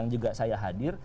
jadi dia sudah hadir